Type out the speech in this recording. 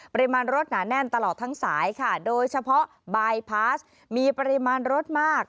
ปริมาณรถหนาแน่นตลอดทั้งสายค่ะโดยเฉพาะบายพาสมีปริมาณรถมาก